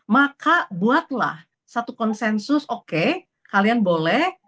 maka buatlah satu konsensus oke kalian boleh